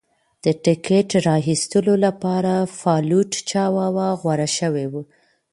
د ټکټ را ایستلو لپاره فالوټ چاواوا غوره شوی و.